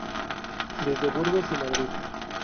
Desde Burgos y Madrid.